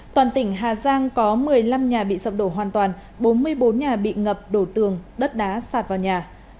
toàn tỉnh hà giang có một mươi năm nhà bị sập đổ hoàn toàn bốn mươi bốn nhà bị ngập đổ tường đất đá sạt vào nhà